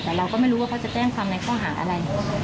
แต่เราก็ไม่รู้ว่าเขาจะแจ้งความในข้อหาอะไร